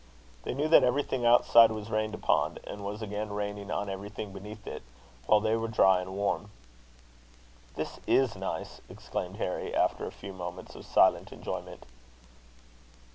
They knew that everything outside was rained upon, and was again raining on everything beneath it, while they were dry and warm. "This is nice!" exclaimed Harry, after a few moments of silent enjoyment.